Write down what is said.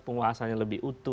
penguasanya lebih utuh